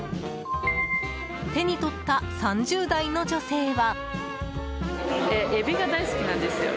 手に取った３０代の女性は。